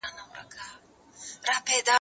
تا چي ول دا مېلمانه به څوک وي